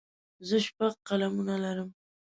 زه شپږ قلمونه لرم.